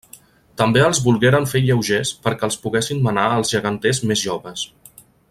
També els volgueren fer lleugers perquè els poguessin menar els geganters més joves.